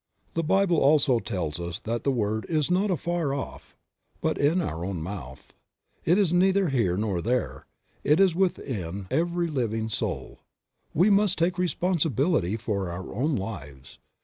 The Bible also tells us that the word is not afar off but in our own mouth. It is neither here nor there ; it is within every living soul. We must take the responsibility for our own lives.